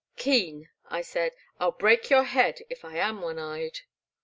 Keen/' I said, " I 'U break your head, if I am one eyed."